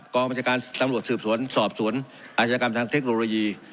กองบัญชาการตำรวจสืบสวนสอบสวนอาชญากรรมทางเทคโนโลยี